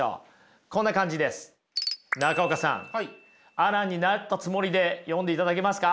アランになったつもりで読んでいただけますか。